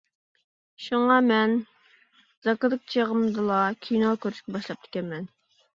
شۇڭا مەن «زاكىدىكى چېغىم» دىلا كىنو كۆرۈشكە باشلاپتىكەنمەن.